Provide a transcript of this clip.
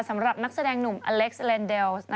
สำหรับนักแสดงหนุ่มอเล็กซ์เลนเดลส์